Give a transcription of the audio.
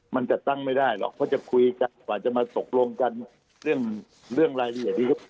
มันจัดตั้งไม่ได้หรอกเพราะจะคุยกันกว่าจะมาตกลงกันเรื่องรายละเอียดนี้